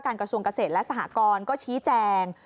กระทรวงเกษตรและสหกรก็ชี้แจง